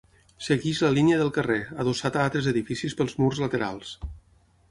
Segueix la línia del carrer, adossat a altres edificis pels murs laterals.